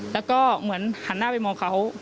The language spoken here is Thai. แล้วก็เหมือนหันหน้าไปมองเขา